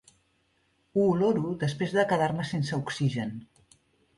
Ho oloro després de quedar-me sense oxigen.